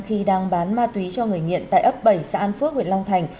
khi đang bán ma túy cho người nghiện tại ấp bảy xã an phước huyện long thành